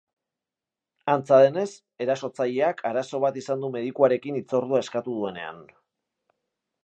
Antza denez, erasotzaileak arazo bat izan du medikuarekin hitzordua eskatu duenean.